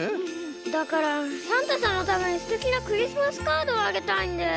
だからサンタさんのためにすてきなクリスマスカードをあげたいんです。